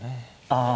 ああ。